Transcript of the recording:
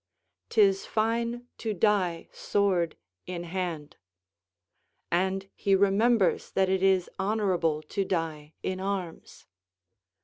["'Tis fine to die sword in hand." ("And he remembers that it is honourable to die in arms.")